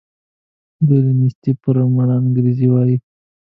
دوی له نېستي پر مړه انګرېږي وايي.